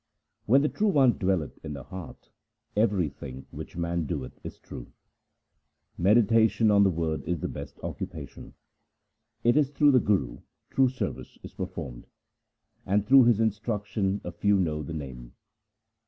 When the True One dwelleth in the heart, everything which man doeth is true. Meditation on the Word is the best occupation. It is through the Guru true service is performed, And through his instruction a few know the Name.